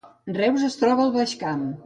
Reus es troba al Baix Camp